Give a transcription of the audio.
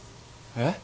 えっ？